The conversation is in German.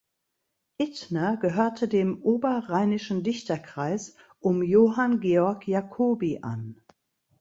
Ittner gehörte dem Oberrheinischen Dichterkreis um Johann Georg Jacobi an.